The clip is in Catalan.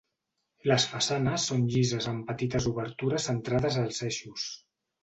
Les façanes són llises amb petites obertures centrades als eixos.